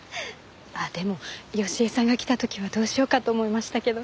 ああでも佳枝さんが来た時はどうしようかと思いましたけど。